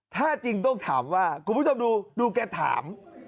ถ้าจริงต้องถามว่าคุณผู้ชมดูดูแกถาม